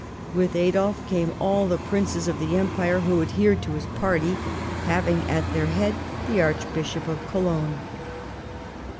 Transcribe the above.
With Adolf came all the princes of the Empire who adhered to his party, having at their head the Archbishop of Cologne.